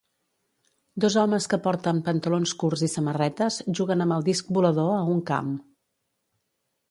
Dos homes, que porten pantalons curts i samarretes, juguen amb el disc volador a un camp.